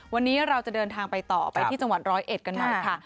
วันนี้เราจะเดินทางไปต่อไปที่จังหวัดร้อยเอ็ดกันหน่อยค่ะ